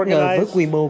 xin chào và hẹn gặp lại